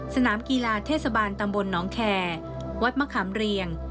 สนามกีฬาเทศบาลตำบลน้องแคร์วัดมะขามเรียง